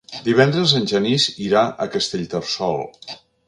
Divendres en Genís irà a Castellterçol.